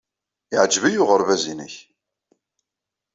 Yeɛjeb-iyi uɣerbaz-nnek.